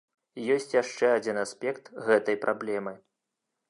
Ёсць яшчэ адзін аспект гэтай праблемы.